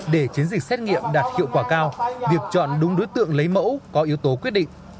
để chiến dịch xét nghiệm đạt hiệu quả cao việc chọn đúng đối tượng lấy mẫu có yếu tố quyết định